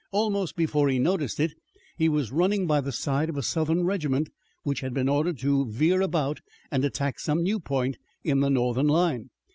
Almost before he noticed it he was running by the side of a Southern regiment which had been ordered to veer about and attack some new point in the Northern line.